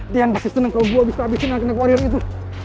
dian pasti seneng kalo gue bisa habisin yang kena warrior itu